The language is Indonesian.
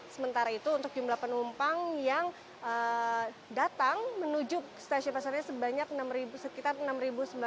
sementara itu jumlah penumpang yang datang menuju stasiun pasar senen sekitar enam sembilan ratus